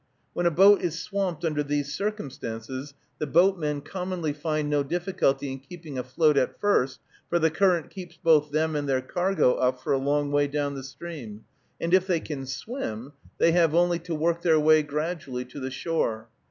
When a boat is swamped under these circumstances, the boatmen commonly find no difficulty in keeping afloat at first, for the current keeps both them and their cargo up for a long way down the stream; and if they can swim, they have only to work their way gradually to the shore.